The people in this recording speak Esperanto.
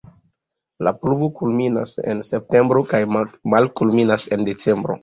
La pluvo kulminas en septembro kaj malkulminas en decembro.